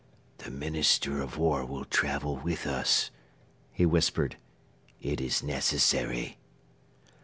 "The Minister of War will travel with us," he whispered. "It is necessary."